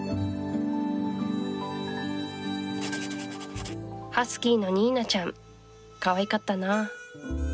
ハスキーのニーナちゃんかわいかったな。